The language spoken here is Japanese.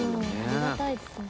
ありがたいですね。